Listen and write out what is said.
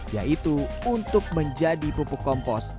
yaitu untuk menjadi pupuk kompos